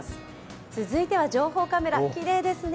続いては情報カメラ、きれいですね。